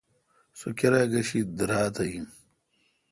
سو کیرا گشی دیراتھ این۔